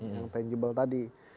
yang tangible tadi